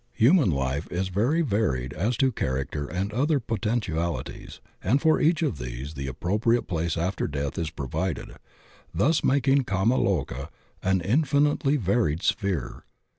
Human life is very varied as to character and other potentialities, and for each of these the appropriate place after death is provided, thus making kama loka an infinitely varied sphere.